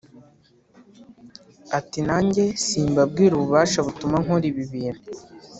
ati nanjye simbabwira ububasha butuma nkora ibi bintu